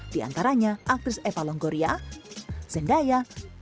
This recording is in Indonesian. di antaranya aktris eva longgoria zendaya